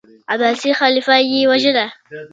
عباسي خلیفه یې وواژه.